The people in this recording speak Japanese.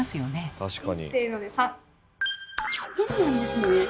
そうなんですね。